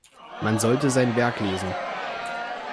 Man sollte sein Werk lesen.